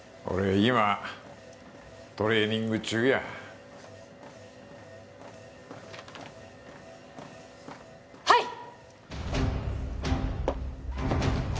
俺今トレーニング中やはい！